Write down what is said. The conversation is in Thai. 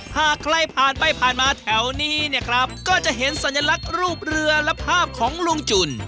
หากใครผ่านไปผ่านมาแถวนี้เนี่ยครับก็จะเห็นสัญลักษณ์รูปเรือและภาพของลุงจุ่น